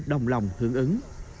đồng lòng hưởng ứng